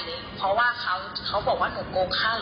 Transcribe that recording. เพราะว่าเค้าบอกว่าหนูโกงค่ารถ